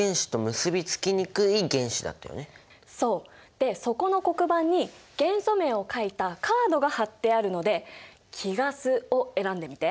でそこの黒板に元素名を書いたカードが貼ってあるので貴ガスを選んでみて。